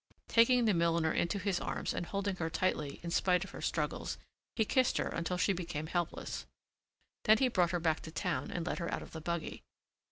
Taking the milliner into his arms and holding her tightly in spite of her struggles, he kissed her until she became helpless. Then he brought her back to town and let her out of the buggy.